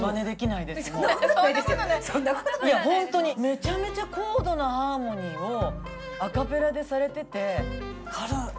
いや本当にめちゃめちゃ高度なハーモニーをアカペラでされてて。